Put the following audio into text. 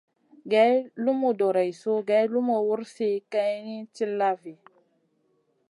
Geyn lumu doreissou geyn lumu wursi kayni tilla vi.